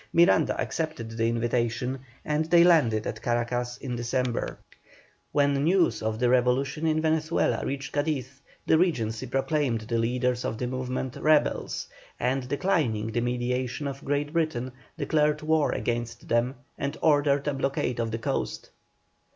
Miranda accepted the invitation, and they landed at Caracas in December. When news of the revolution in Venezuela reached Cadiz, the Regency proclaimed the leaders of the movement rebels, and, declining the mediation of Great Britain, declared war against them, and ordered a blockade of the coast.